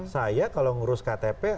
saya kalau ngurus ktp